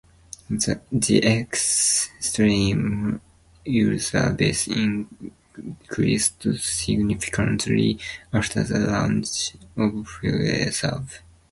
The X-Stream user base increased significantly after the launch of Freeserve.